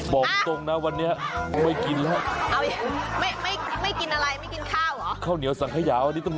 เอ้าก็ว่ากันไปเป็นวิธีเหมือนลูกอบเนี่ย